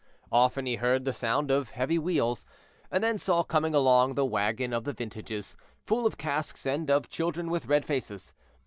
Often he heard the sound of heavy wheels, and then saw coming along the wagon of the vintages, full of casks and of children with red faces.